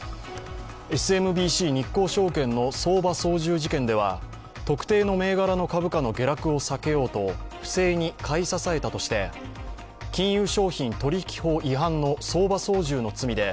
ＳＭＢＣ日興証券の相場操縦事件では特定の銘柄の株価の下落を避けようと不正に買い支えたとして金融商品取引法違反の相場操縦の罪で